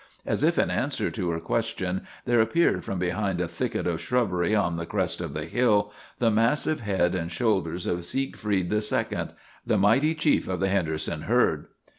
As if in answer to her question there appeared from behind a thicket of shrubbery on the crest of the hill the massive head and shoulders of Siegfried II, the mighty chief of the Henderson herd.